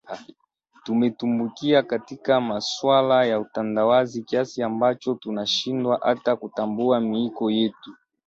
Tumetumbukia katika masuala ya utandawazi kiasi ambacho tunashindwa hata kutambua miiko yetu